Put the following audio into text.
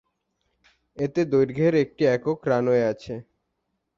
এতে দৈর্ঘ্যের একটি একক রানওয়ে আছে।